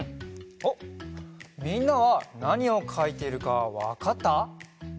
あっみんなはなにをかいているかわかった？